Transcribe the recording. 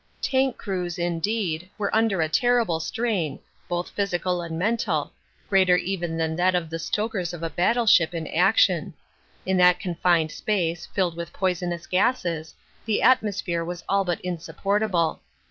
Tank crews, indeed, were under a terrible strain, both physical and mental, greater even than that of the stokers of a battleship in action. In that confined space, filled with poisonous gases, the atmosphere was all but insupportable.